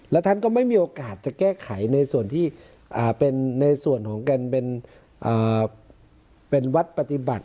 และท่านก็ไม่มีโอกาสจะแก้ไขในส่วนที่เป็นในส่วนของการเป็นวัดปฏิบัติ